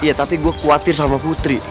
iya tapi gue khawatir sama putri